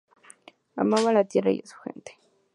Amaba la tierra y a su gente.